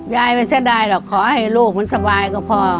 ยายแสดงเราขอให้ลูกมันสบายก็พอ